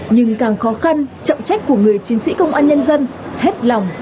nhưng càng khó khăn trọng trách của người chiến sĩ công an nhân dân hết lòng